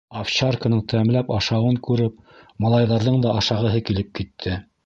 Овчарканың тәмләп ашауын күреп, малайҙарҙың да ашағыһы килеп китте.